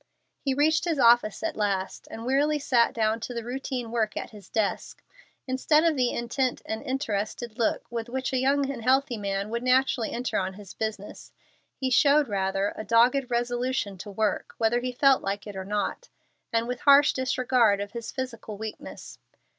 He reached his office at last, and wearily sat down to the routine work at his desk. Instead of the intent and interested look with which a young and healthy man would naturally enter on his business, he showed rather a dogged resolution to work whether he felt like it or not, and with harsh disregard of his physical weakness.